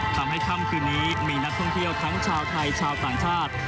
ทำให้ค่ำคืนนี้มีนักท่องเที่ยวทั้งชาวไทยชาวต่างชาติ